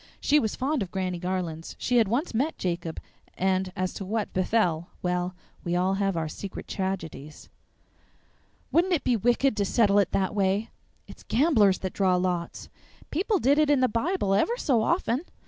(She was fond of Granny Garlands; she had once met Jacob; and, as to what befell, well, we all have our secret tragedies!) "Wouldn't it be wicked to settle it that way?" "It's gamblers that draw lots." "People did it in the Bible ever so often."